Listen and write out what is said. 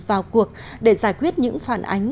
vào cuộc để giải quyết những phản ánh